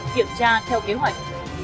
kiểm tra theo kế hoạch